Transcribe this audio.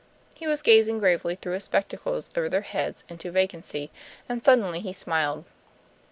He was gazing gravely through his spectacles over their heads into vacancy, and suddenly he smiled.